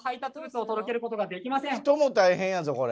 人も大変やぞこれ。